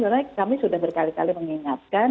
karena kami sudah berkali kali mengingatkan